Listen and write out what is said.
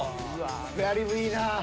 スペアリブいいなぁ！